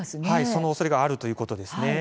そのおそれがあるということですね。